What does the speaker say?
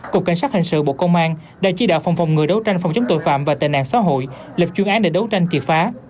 cục cảnh sát hình sự bộ công an đã chi đạo phòng phòng ngừa đấu tranh phòng chống tội phạm và tệ nạn xã hội lập chuyên án để đấu tranh triệt phá